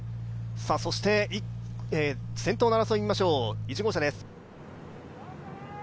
そして先頭の争い見ましょう１号車です。